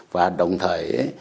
và đồng thời ấy